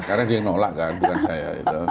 karena dia yang nolak kan bukan saya